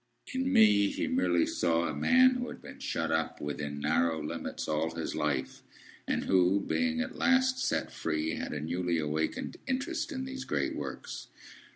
In me, he merely saw a man who had been shut up within narrow limits all his life, and who, being at last set free, had a newly awakened interest in these great works.